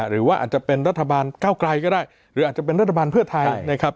หรือว่าอาจจะเป็นรัฐบาลก้าวไกลก็ได้หรืออาจจะเป็นรัฐบาลเพื่อไทยนะครับ